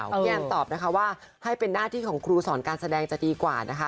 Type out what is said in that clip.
พี่แอมตอบนะคะว่าให้เป็นหน้าที่ของครูสอนการแสดงจะดีกว่านะคะ